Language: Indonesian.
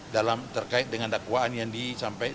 dalam terkait dengan dakwaan yang disampaikan